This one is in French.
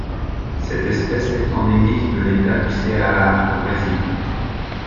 Cette espèce est endémique de l'État du Ceará au Brésil.